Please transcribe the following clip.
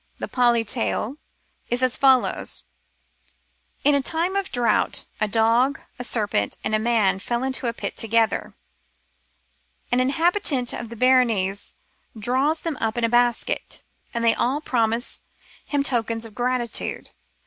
The PMi tale is as follows :— In a time of drought, a dog, a serpent, and a man fell into a pit together. An inhabitant of Benares draws them up in a basket, and they all promise him tokens of gratitude.